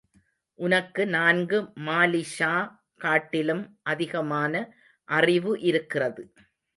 உனக்கு நான்கு மாலிக்ஷா காட்டிலும் அதிகமான அறிவு இருக்கிறது.